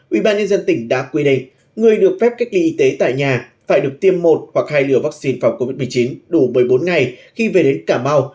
ủy ban nhân dân tỉnh đã quy định người được phép cách ly y tế tại nhà phải được tiêm một hoặc hai lửa vaccine phòng covid một mươi chín đủ một mươi bốn ngày khi về đến cà mau